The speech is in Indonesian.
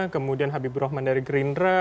kemudian habibur rahman dari gerindra